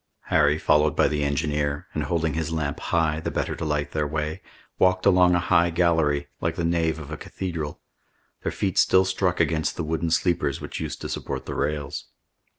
Harry, followed by the engineer, and holding his lamp high the better to light their way, walked along a high gallery, like the nave of a cathedral. Their feet still struck against the wooden sleepers which used to support the rails.